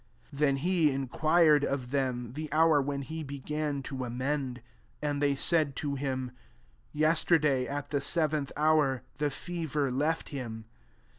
52 Then he inquired of them the hour when he began to amend. And they said to him, << Yesterday, at the seventh homv the fever left him."